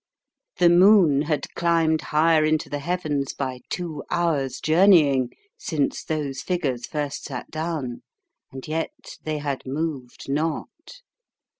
The moon had climbed higher into the heavens, by two hours' journeying, since those figures first sat down and yet they had moved not.